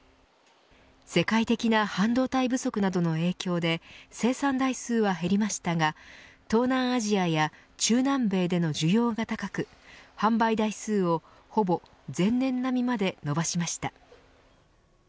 世界的な半導体不足などの影響で生産台数は減りましたが東南アジアや中南米での需要が高く販売台数を、ほぼ前年並みまで伸ばしました。